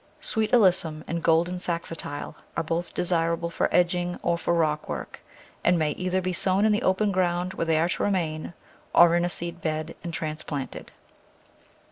Sweet Alyssum and Golden Saxatile are both desir able for edging or for rockwork, and may either be sown in the open ground where they are to remain, or in a seed bed and transplanted.